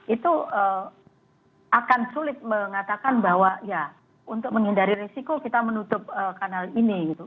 itu akan sulit mengatakan bahwa ya untuk menghindari risiko kita menutup kanal ini gitu